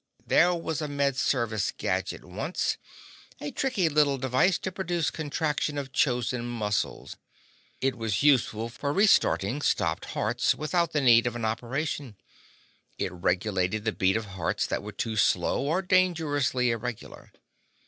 There was a Med Service gadget once—a tricky little device to produce contraction of chosen muscles. It was useful for re starting stopped hearts without the need of an operation. It regulated the beat of hearts that were too slow or dangerously irregular.